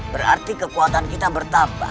berarti kekuatan kita bertambah